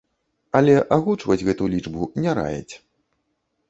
Але агучваць гэту лічбу не раяць.